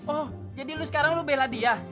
oh jadi lu sekarang lo bela dia